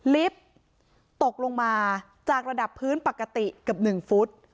ลิฟต์ตกลงมาจากระดับพื้นปกติเกือบ๑ฟุต